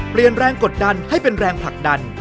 เปลี่ยนแรงกดดันให้เป็นแรงผลักดัน